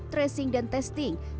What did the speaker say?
tracing dan penyelenggaraan